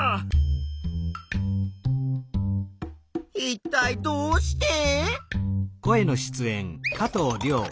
いったいどうして？